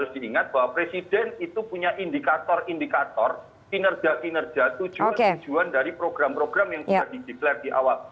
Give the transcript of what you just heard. diingat bahwa presiden itu punya indikator indikator kinerja kinerja tujuan tujuan dari program program yang sudah dideklarasi awal